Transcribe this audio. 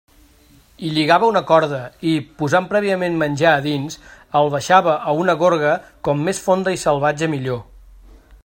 Hi lligava una corda i, posant prèviament menjar a dins, el baixava a una gorga com més fonda i salvatge millor.